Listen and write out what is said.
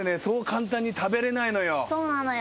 そうなのよ。